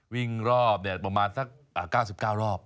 วิ่งรอบประมาณสัก๙๙รอบ